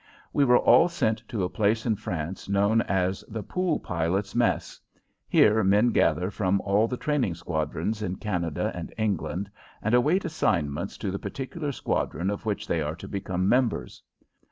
We were all sent to a place in France known as the Pool Pilots' Mess. Here men gather from all the training squadrons in Canada and England and await assignments to the particular squadron of which they are to become members.